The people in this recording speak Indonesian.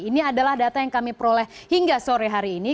ini adalah data yang kami peroleh hingga sore hari ini